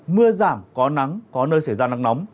mưa giảm có nắng có nơi xảy ra nắng nóng